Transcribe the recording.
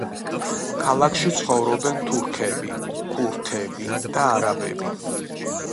ქალაქში ცხოვრობენ თურქები, ქურთები და არაბები.